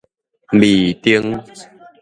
未定